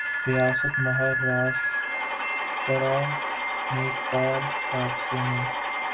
ریاست مہاراشٹرا میں کار حادثے میں